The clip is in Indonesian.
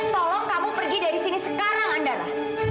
tolong kamu pergi dari sini sekarang andara